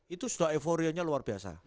itu sudah euforianya luar biasa